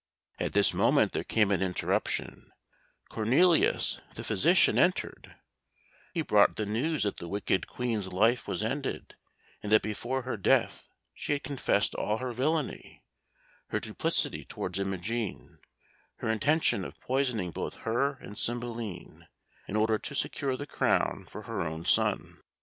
At this moment there came an interruption, Cornelius, the physician, entered; he brought the news that the wicked Queen's life was ended, and that before her death she had confessed all her villainy her duplicity towards Imogen, and her intention of poisoning both her and Cymbeline, in order to secure the crown for her own son.